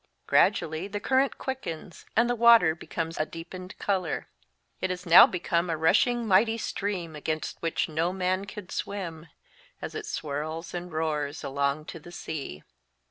Gradually the current quickens and the water becomes a deepened colour. It has now be come a rushing mighty stream against which no man could swim, as it swirls and roars along to the sea.